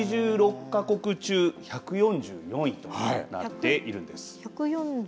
１８６か国中１４４位となっています。